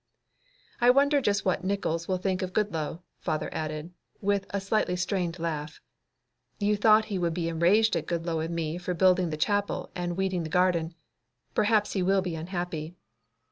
"I wonder just what Nickols will think of Goodloe," father added, with a slightly strained laugh. "You thought he would be enraged at Goodloe and me for building the chapel and weeding the garden. Perhaps he will be unhappy."